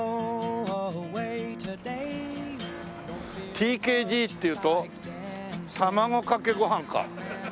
ＴＫＧっていうと卵かけご飯か。